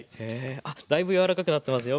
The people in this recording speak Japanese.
あっだいぶ柔らかくなってますよこちら。